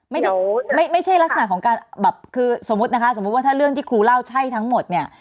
ไม่ใช่ไม่ใช่ลักษณะของการแบบคือสมมุตินะคะสมมุติว่าถ้าเรื่องที่ครูเล่าใช่ทั้งหมดเนี่ย